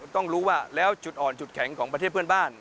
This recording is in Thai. ต้องรู้ว่าแล้วจุดอ่อนจุดแข็งของประเทศเพื่อนบ้าน